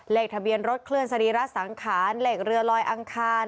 เลขทะเบียนรถเคลื่อนสรีระสังขารเลขเรือลอยอังคาร